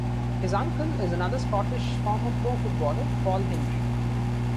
His uncle is another Scottish former pro footballer, Paul Hendrie.